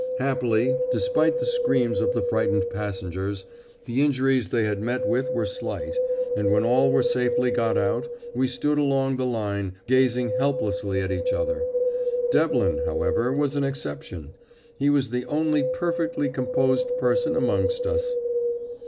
Happily, despite the screams of the frightened passengers, the injuries they had met with were slight, and when all were safely got out we stood along the line, gazing helplessly at each other. Devlin, however, was an exception; he was the only perfectly composed person amongst us.